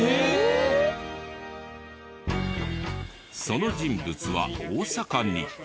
その人物は大阪に。